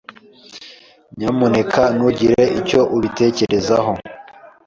Nyamuneka ntugire icyo ubitekerezaho.